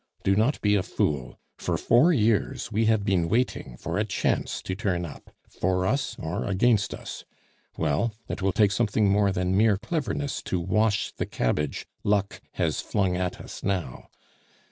Do not be a fool. For four years we have been waiting for a chance to turn up, for us or against us; well, it will take something more than mere cleverness to wash the cabbage luck has flung at us now.